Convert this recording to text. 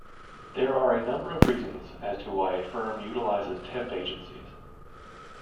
There are a number of reasons as to why a firm utilizes temp agencies.